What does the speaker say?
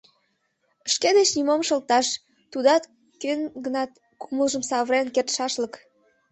Шке деч нимом шылташ, тудат кӧн-гынат кумылжым савырен кертшашлык...